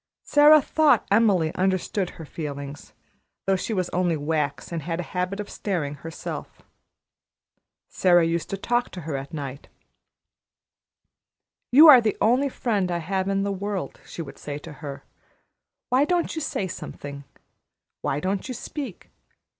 Sara thought Emily understood her feelings, though she was only wax and had a habit of staring herself. Sara used to talk to her at night. "You are the only friend I have in the world," she would say to her. "Why don't you say something? Why don't you speak?